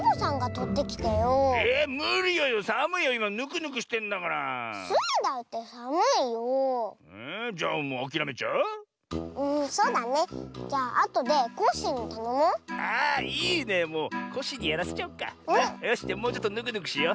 よしじゃもうちょっとぬくぬくしよう。